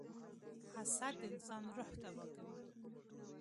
• حسد د انسان روح تباه کوي.